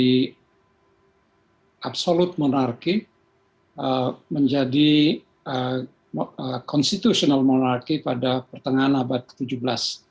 mereka merali dari absolute monarki menjadi constitutional monarki pada pertengahan abad ke tujuh belas